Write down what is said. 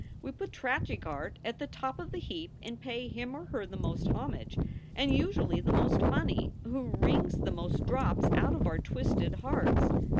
We put tragic art at the top of the heap and pay him or her the most homage, and usually the most money, who wrings the most drops out of our twisted hearts.